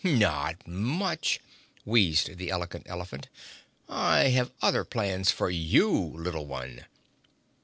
Not much," wheezed the Elegant Elephant. "I have other plans for you, little one!"